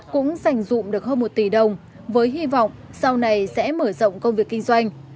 cũng dành dụng được hơn một tỷ đồng với hy vọng sau này sẽ mở rộng công việc kinh doanh